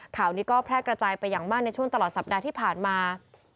ข่าวนี้ก็แพร่กระจายไปอย่างมากในช่วงตลอดสัปดาห์ที่ผ่านมา